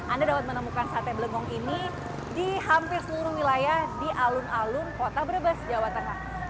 anda dapat menemukan sate blegong ini di hampir seluruh wilayah di alun alun kota brebes jawa tengah